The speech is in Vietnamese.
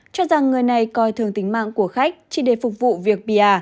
cho rằng người này coi thường tính mạng của khách chỉ để phục vụ việc bìa